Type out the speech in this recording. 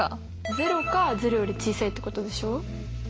０か０より小さいってことでしょ？